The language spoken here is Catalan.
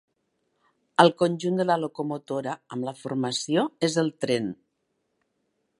El conjunt de la locomotora amb la formació és el tren.